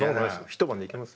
一晩でいけます。